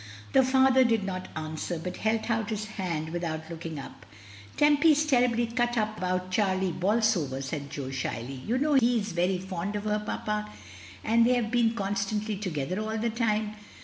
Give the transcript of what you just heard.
The father did not answer, but held out his hand without looking up. "Tempy is terribly cut up about Charlie Bolsover," said Jo, shyly. "You know he is very fond of her, papa, and they have been constantly together all this time.